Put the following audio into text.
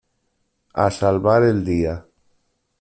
A salvar el día.